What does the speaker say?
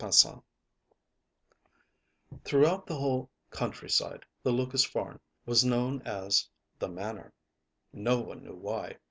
â COCO Throughout the whole countryside the Lucas farn, was known as âthe Manor.â No one knew why.